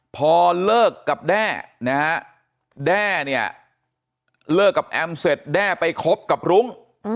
พอเลิกกับแด้นะฮะแด้เนี่ยเลิกกับแอมเสร็จแด้ไปคบกับรุ้ง